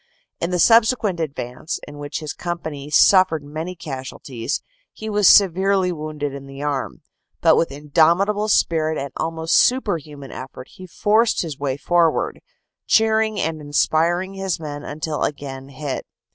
In the subsequent advance, in which his company suffered many casualties, he was severely wounded in the arm, but with indomitable spirit and almost superhuman effort he forced his way forward, cheering and inspiring his men until again hit.